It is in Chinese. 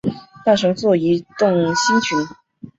大熊座移动星群